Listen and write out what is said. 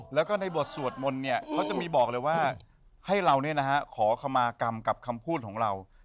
แล้วก็ในบทสวดมนต์เนี่ยเขาจะมีบอกเลยว่าให้เราขอคำมากรรมกับคำพูดของเรา